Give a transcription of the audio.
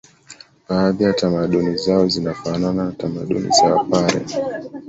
Baadhi ya tamaduni zao zinafanana na tamaduni za wapare